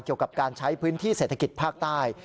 เกี่ยวกับการใช้พื้นที่เศรษฐกิจภาคใต้